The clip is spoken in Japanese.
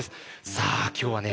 さあ今日はね